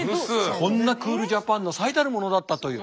こんなクールジャパンの最たるものだったという。